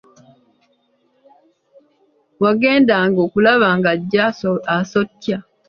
Wagendanga okulaba ng'ajja asotya!